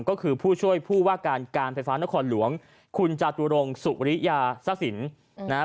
ก็คือผู้ช่วยผู้ว่าการการไฟฟ้านครหลวงคุณจตุรงสุริยาสะสินนะครับ